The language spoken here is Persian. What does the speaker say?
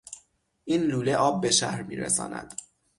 این لوله آب به شهر میرساند.